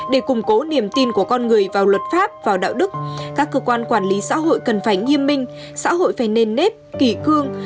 để củng cố niềm tin của con người vào luật pháp vào đạo đức các cơ quan quản lý xã hội cần phải nghiêm minh xã hội phải nền nếp kỷ cương